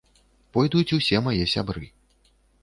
Пойдуць усе мае сябры.